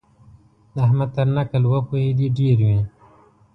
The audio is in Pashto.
د احمد تر نکل وپوهېدې ډېر وي.